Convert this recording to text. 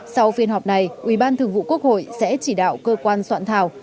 sau phiên họp này ubthqh sẽ chỉ đạo cơ quan soạn thảo